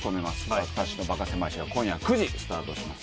「私のバカせまい史」が今夜９時スタートします。